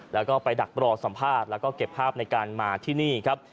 แล้วก็ไปดักรอสัมภาษณ์แล้วก็เก็บภาพในการมาที่นี่ครับ